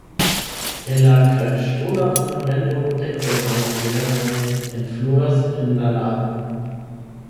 El la kalkŝtona fundamento dekoj da riveroj enfluas en la lagojn.